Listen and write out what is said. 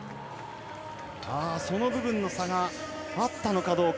その部分の差があったのかどうか。